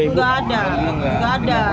enggak ada enggak ada